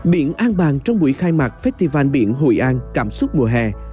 biển an bàng trong buổi khai mạc festival biển hội an cảm xúc mùa hè